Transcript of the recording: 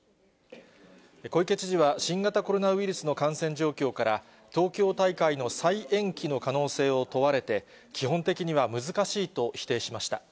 小池知事は、新型コロナウイルスの感染状況から、東京大会の再延期の可能性を問われて、基本的には難しいと否定しました。